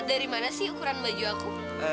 dari mana sih ukuran baju aku